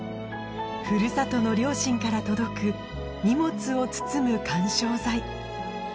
ふるさとの両親から届く荷物を包む緩衝材